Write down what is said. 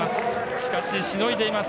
しかし、しのいでいます。